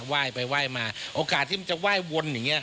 ว่ายไปว่ายมาโอกาสที่มันจะว่ายวนอย่างงี้